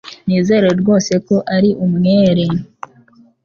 Nizera rwose ko ari umwere.